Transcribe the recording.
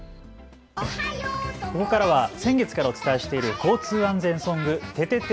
ここからは先月からお伝えしている交通安全ソングててて！